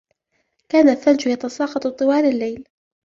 كان الثلج يتساقط طوال الليل.